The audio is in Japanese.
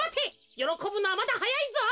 よろこぶのはまだはやいぞ！